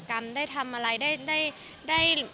ก็บอกว่าเซอร์ไพรส์ไปค่ะ